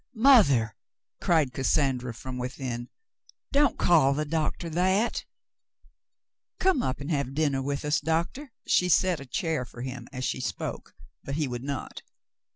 "Mother," cried Cassandra from within, "don't call the doctor that ! Come up and have dinner with us. Doctor." She set a chair for him as she spoke, but he would not.